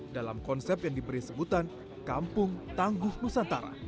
dalam konsep yang diberi sebutan kampung tangguh nusantara